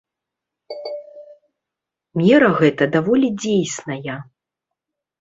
Мера гэта даволі дзейсная.